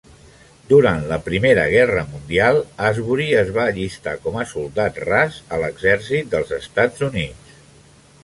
Durant la Primera Guerra Mundial, Asbury es va allistar com a soldat ras a l'exèrcit dels Estats Units.